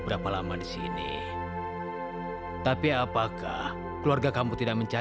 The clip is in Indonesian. boleh tapi abah langsung pulang ya